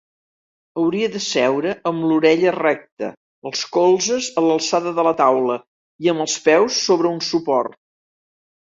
Hauria de seure amb l'orella recta, els colzes a l'alçada de la taula i amb els peus sobre un suport.